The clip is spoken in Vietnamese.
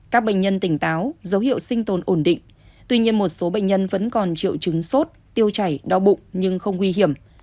các bệnh nhân tỉnh táo dấu hiệu sinh tồn ổn định tuy nhiên một số bệnh nhân vẫn còn triệu chứng sốt tiêu chảy đau bụng nhưng không nguy hiểm